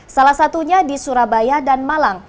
salah satunya di surabaya dan malang